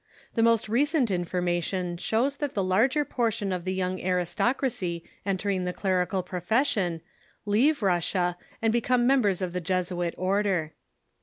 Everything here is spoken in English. The most recent information shows* that the larger portion of the young aristocracy entering the clerical profession leave Russia, and become members of the Jesuit order.